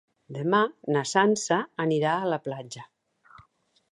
Demà na Sança anirà a la platja.